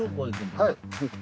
はい。